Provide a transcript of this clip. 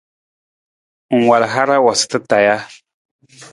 Ng wal hara waasata taa ja?